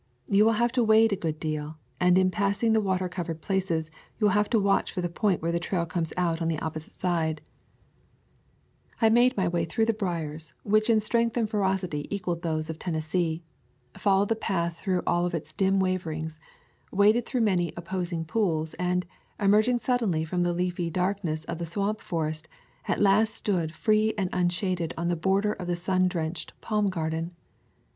You will have to wade a good deal, and in pass ing the water covered places you will have to watch for the point where the trail comes out on the opposite side." [ 114 ] Florida Swamps and Forests I made my way through the briers, which in strength and ferocity equaled those of Tennes see, followed the path through all of its dim waverings, waded the many opposing pools, and, emerging suddenly from the leafy dark ness of the swamp forest, at last stood free and unshaded on the border of the sun drenched palm garden.